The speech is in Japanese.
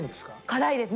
辛いです。